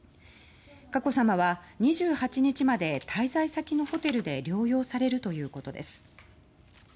佳子さまは２８日まで滞在先のホテルで療養されるということです。